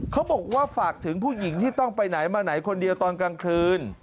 เขาบอกว่าฝากถึงผู้หญิงที่ต้องไปไหนมาไหนคนเดียวตอนกลางคืน